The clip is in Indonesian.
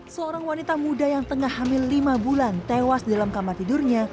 seorang wanita muda yang tengah hamil lima bulan tewas di dalam kamar tidurnya